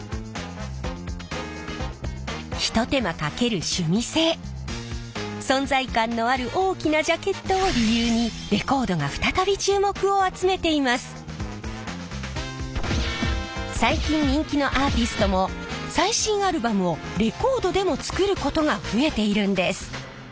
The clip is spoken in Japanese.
ひと手間かける趣味性存在感のある大きなジャケットを理由に最近人気のアーティストも最新アルバムをレコードでも作ることが増えているんです。